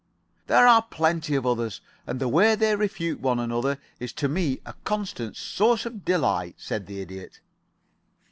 "There are plenty of others, and the way they refute one another is to me a constant source of delight," said the Idiot.